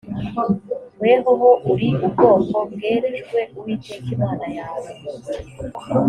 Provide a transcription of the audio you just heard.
wehoho uri ubwoko bwerejwe uwiteka imana yawe